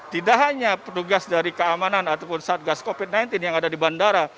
tidak hanya petugas dari keamanan ataupun satgas covid sembilan belas yang ada di bandara